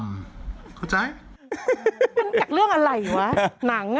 มันจากเรื่องอะไรวะหนัง